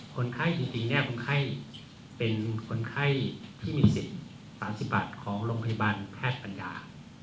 คนไข้จริงคนไข้เป็นคนไข้ที่มีสิทธิ์๓๐บาทของโรงพยาบาลแพทย์ปัญญา